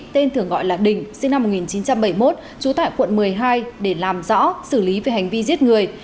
tên thường gọi là đình sinh năm một nghìn chín trăm bảy mươi một trú tại quận một mươi hai để làm rõ xử lý về hành vi giết người